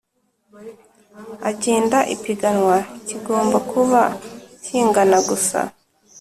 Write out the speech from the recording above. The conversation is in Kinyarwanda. Agenga ipiganwa kigomba kuba kingana gusa